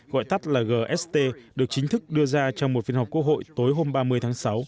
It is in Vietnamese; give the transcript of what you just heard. gọi tắt là gst được chính thức đưa ra trong một phiên họp quốc hội tối hôm ba mươi tháng sáu